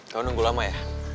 kamu nunggu lama ya